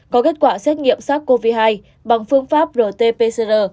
có kết quả xét nghiệm sars cov hai bằng phương pháp rt pcr